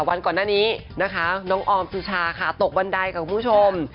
วันก่อนหน้านี้น้องออมสุชาตกบันไดกับคุณผู้ชม